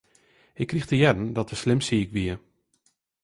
Hy krige te hearren dat er slim siik wie.